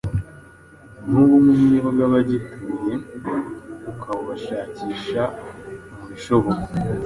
nubumwe bw’abagituye.ukabushakisha mubishoboka